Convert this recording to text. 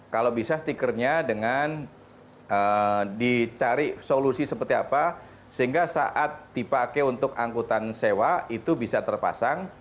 kalau bisa stikernya dengan dicari solusi seperti apa sehingga saat dipakai untuk angkutan sewa itu bisa terpasang